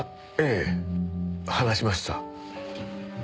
ええ話しました。